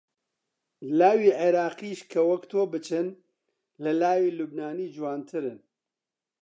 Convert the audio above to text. لاوی عێراقیش کە وەک تۆ بچن، لە لاوی لوبنانی جوانترن